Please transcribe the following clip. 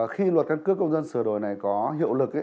khi luật căn cước công dân sửa đổi này có hiệu lực